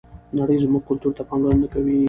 نړۍ زموږ کلتور ته پاملرنه کوي.